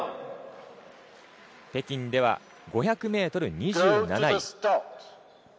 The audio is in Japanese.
北京では５００ｍ、２７位。